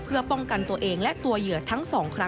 เพื่อป้องกันตัวเองและตัวเหยื่อทั้ง๒ครั้งเช่นกัน